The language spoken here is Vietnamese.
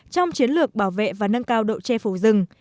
trong chiến lược bảo vệ và nâng cao độ che phủ rừng